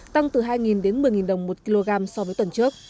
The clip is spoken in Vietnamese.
tăng từ hai đến một mươi đồng một kg so với tuần trước